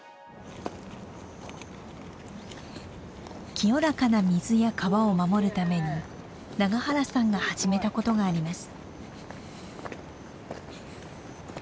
清らかな水や川を守るために永原さんが始めたことがあります。